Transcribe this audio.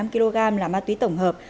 năm kg là ma túy tổng hợp